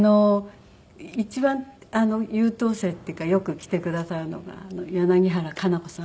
一番優等生っていうかよく来てくださるのが柳原可奈子さん。